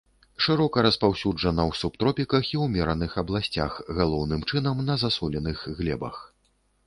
Шырока распаўсюджана ў субтропіках і ўмераных абласцях, галоўным чынам на засоленых глебах.